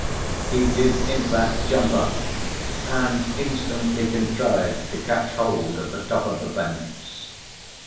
He did in fact jump up, and instantly contrived to catch hold of the top of the fence.